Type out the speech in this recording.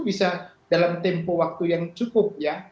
bisa dalam tempo waktu yang cukup ya